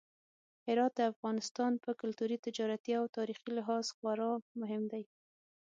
هرات د افغانستان په کلتوري، تجارتي او تاریخي لحاظ خورا مهم دی.